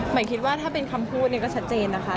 หมายคิดว่าถ้าเป็นคำพูดเนี่ยก็ชัดเจนนะคะ